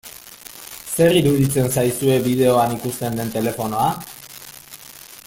Zer iruditzen zaizue bideoan ikusten den telefonoa?